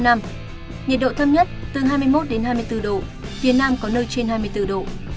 nhiệt độ thấp nhất từ hai mươi một đến hai mươi bốn độ phía nam có nơi trên hai mươi bốn độ